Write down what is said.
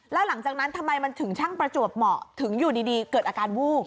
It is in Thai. แล้วหลังจากนั้นทำไมมันถึงช่างประจวบเหมาะถึงอยู่ดีเกิดอาการวูบ